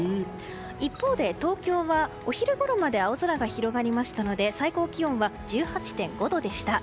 一方で東京はお昼ごろまで青空が広がりましたので最高気温は１８．５度でした。